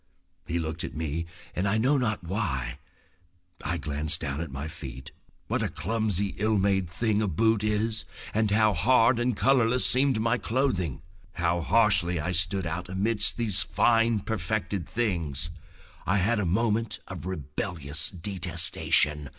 He looked at me, and, I know not why, I glanced down at my feet. What a clumsy, ill made thing a boot is, and how hard and colorless seemed my clothing! How harshly I stood out amidst these fine, perfected things. I had a moment of rebellious detestation.